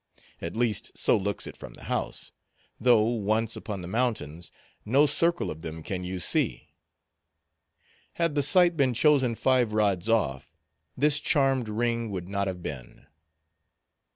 At least, so looks it from the house; though, once upon the mountains, no circle of them can you see. Had the site been chosen five rods off, this charmed ring would not have been.